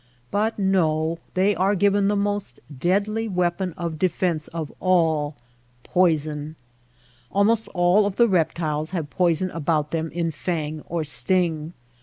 But no; they are given the most deadly weapon of defence of all — ^poison. Almost all of the reptiles have poison about them in fang or sting.